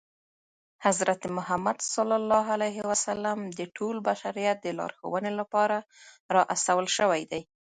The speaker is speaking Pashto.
حضرت محمد ص د ټول بشریت د لارښودنې لپاره را استول شوی دی.